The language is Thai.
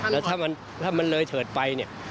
แล้วถ้ามันเลยเถิดไปเนี่ย